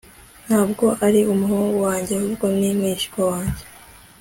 Ntabwo ari umuhungu wanjye ahubwo ni mwishywa wanjye